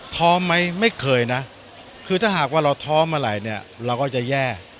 ท้อไหมไม่เคยนะคือถ้าหากว่าเราท้อเมื่อไหร่เนี่ยเราก็จะแย่